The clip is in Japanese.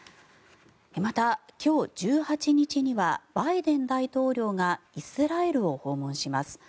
また、今日１８日にはバイデン大統領がイスラエルを訪問します。